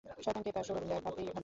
শয়তানকে তার স্বরূপ দেখাতেই হবে!